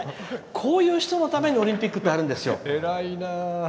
こういう人のためにオリンピックってあるんですよ。